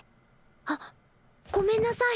あっごめんなさい。